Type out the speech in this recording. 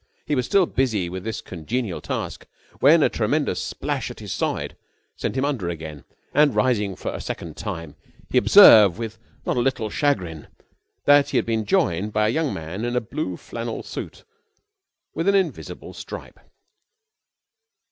He was still busy with this congenial task when a tremendous splash at his side sent him under again; and, rising for a second time, he observed with not a little chagrin that he had been joined by a young man in a blue flannel suit with an invisible stripe.